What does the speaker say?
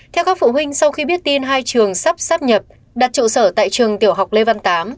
theo các phụ huynh sau khi biết tin hai trường sắp sắp nhập đặt trụ sở tại trường tiểu học lê văn tám